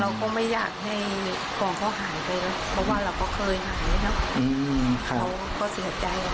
เราก็ไม่อยากให้ของเขาหายไปนะคือเราเคยหายค่ะเขาก็เสียใจ